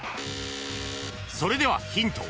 ［それではヒント］